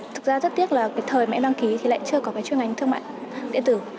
thực ra rất tiếc là cái thời mà em đăng ký thì lại chưa có cái chuyên ngành thương mại điện tử